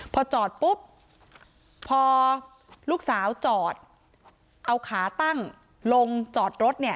พอจอดปุ๊บพอลูกสาวจอดเอาขาตั้งลงจอดรถเนี่ย